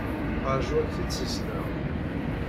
Ṛju ak-t-id-ssissneɣ.